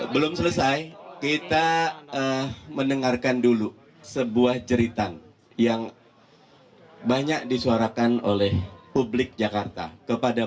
belum selesai kita mendengarkan dulu sebuah jeritan yang banyak disuarakan oleh publik jakarta kepada